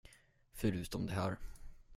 Förutom de här.